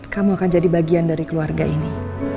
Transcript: kamu akan jadi bagian dari keluarga ini